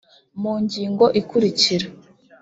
mu ngingo ikurikira